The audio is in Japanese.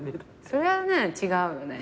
それはね違うよね。